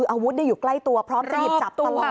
อารวุธเนี่ยอยู่ใกล้ตัวพร้อมจะเห็นจับตลอดเลย